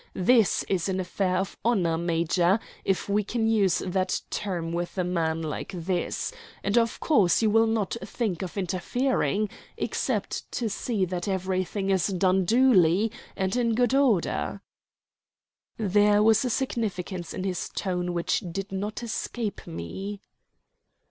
This is an affair of honor, major, if we can use that term with a man like this; and of course you will not think of interfering, except to see that everything is done duly and in good order." There was a significance in his tone which did not escape me.